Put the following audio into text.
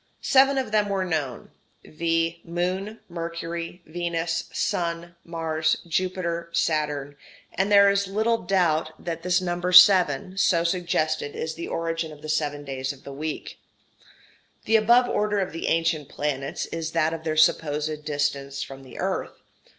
Seven of them were known, viz. Moon, Mercury, Venus, Sun, Mars, Jupiter, Saturn, and there is little doubt that this number seven, so suggested, is the origin of the seven days of the week. The above order of the ancient planets is that of their supposed distance from the earth.